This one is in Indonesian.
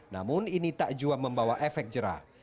namun ini tak jua membawa efek jerah